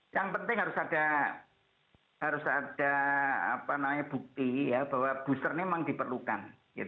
yang penting harus ada bukti bahwa booster ini memang diperlukan